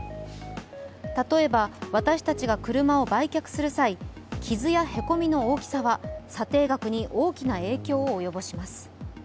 例えば私たちが車を売却する際、傷やへこみの大きさは査定額に大きな影響を及ぼします。